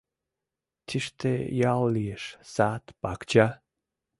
Тиште ял лиеш, сад, пакча.